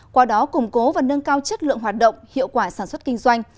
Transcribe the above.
qua đó củng cố và nâng cao chất lượng hoạt động hiệu quả sản xuất kinh doanh